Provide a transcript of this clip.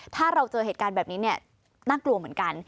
ถ้าเราเจอเหตุการณ์แบบนี้น่ากลัวเหมือนกัน